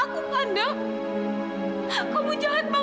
aku juga mau ketemu sama kamu